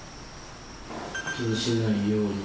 気にしないように。